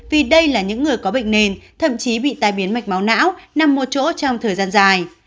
vì đây là những người có bệnh nền thậm chí bị tai biến mạch máu não nằm một chỗ trong thời gian dài